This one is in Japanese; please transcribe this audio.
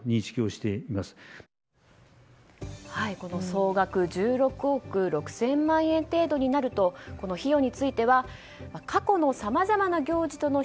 総額１６億６０００万円程度になる費用については過去のさまざまな行事との